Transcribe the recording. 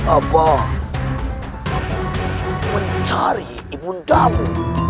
abah mencari ibundamu